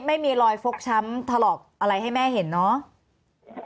ไม่มีรอยฟกช้ำถลอกอะไรให้แม่เห็นเนาะ